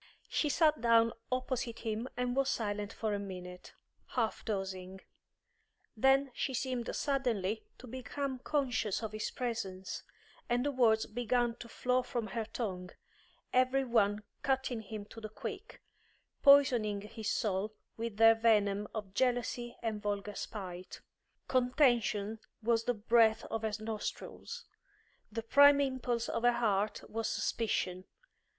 She sat down opposite him and was silent for a minute, half dozing; then she seemed suddenly to become conscious of his presence, and the words began to flow from her tongue, every one cutting him to the quick, poisoning his soul with their venom of jealousy and vulgar spite. Contention was the breath of her nostrils; the prime impulse of her heart was suspicion.